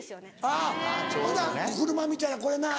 あぁほな車見たら「これなに？」。